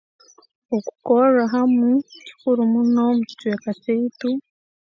Okukorra hamu kikuru muno mu kicweka kyaitu